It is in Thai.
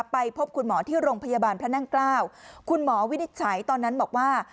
ไปพบคุณหมอที่โรงพยาบาลพระนั่งเกล้าคุณหมอวินิจฉัยตอนนั้นบอกว่า